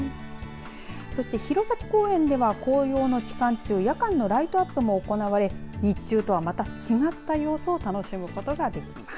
そして弘前公園では紅葉の期間中夜間のライトアップも行われ日中とはまた違った様子を楽しむことができます。